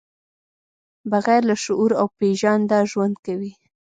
بغیر له شعور او پېژانده ژوند کوي.